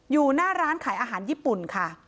อยู่หน้าร้านขายอาหารญี่ปุ่นค่ะ